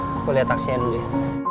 aku lihat aksinya dulu ya